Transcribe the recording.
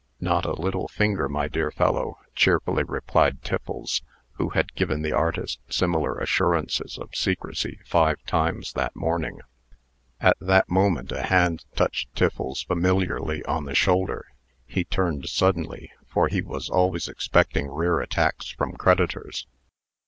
"Not a little finger, my dear fellow," cheerfully replied Tiffles, who had given the artist similar assurances of secrecy five times that morning. At that moment a hand touched Tiffles familiarly on the shoulder. He turned suddenly, for he was always expecting rear attacks from creditors.